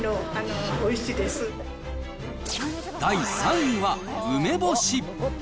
第３位は梅干し。